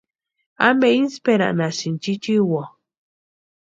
¿Ampe insperanhasïni chichiwoo?